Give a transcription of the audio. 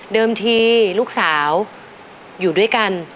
ทีลูกสาวอยู่ด้วยกัน